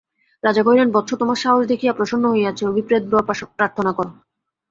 রাজা কহিলেন, বৎস, তোমার সাহস দেখিয়া প্রসন্ন হইয়াছি অভিপ্রেত বর প্রার্থনা কর।